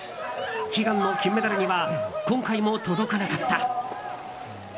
悲願の金メダルには今回も届かなかった。